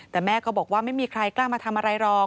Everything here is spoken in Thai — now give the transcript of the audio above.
แต่แม่ก็บอกว่าไม่มีใครกล้ามาทำอะไรหรอก